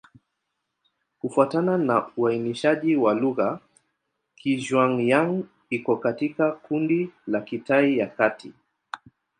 Kufuatana na uainishaji wa lugha, Kizhuang-Yang iko katika kundi la Kitai ya Kati.